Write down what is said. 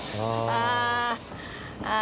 ああ。